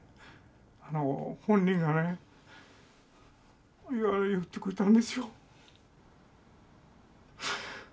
あの本人がね言ってくれたんですよ。